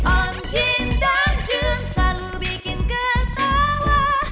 om jin dan jun selalu bikin ketawa